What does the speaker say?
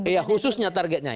ya khususnya targetnya